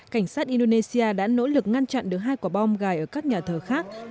cảnh sát indonesia đã nỗ lực ngăn chặn được hai quả bom gài ở các nhà thờ khác